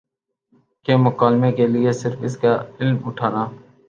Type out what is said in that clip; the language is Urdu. کہ مکالمے کے لیے صرف اس کا علم اٹھانا